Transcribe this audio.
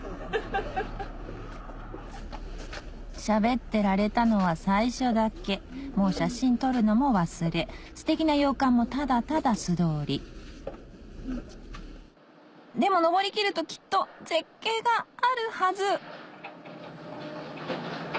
しゃべってられたのは最初だけもう写真撮るのも忘れステキな洋館もただただ素通りでも上り切るときっと絶景があるはず！